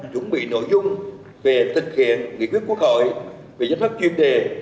chuẩn bị nội dung về thực hiện nghị quyết quốc hội về giới thoát chuyên đề